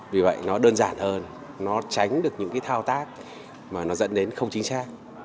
vì vậy nó đơn giản hơn nó tránh được những cái thao tác mà nó dẫn đến không chính xác